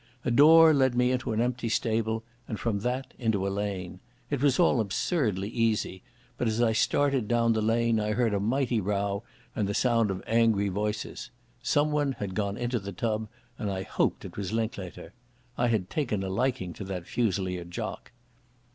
A door led me into an empty stable, and from that into a lane. It was all absurdly easy, but as I started down the lane I heard a mighty row and the sound of angry voices. Someone had gone into the tub and I hoped it was Linklater. I had taken a liking to the Fusilier jock.